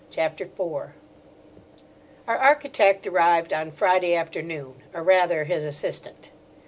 CHAPTER IV OUR architect arrived on Friday afternoon, or rather, his assistant.